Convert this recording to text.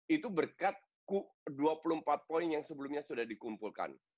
itu berkat dua puluh empat poin yang sebelumnya sudah dikumpulkan